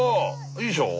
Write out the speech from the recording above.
いいでしょう。